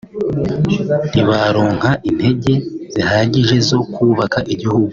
ntibaronka intege zihagije zo kubaka igihugu